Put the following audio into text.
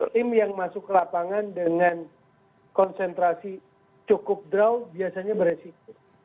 tim yang masuk ke lapangan dengan konsentrasi cukup draw biasanya beresiko